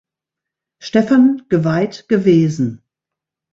Stephan geweiht gewesen.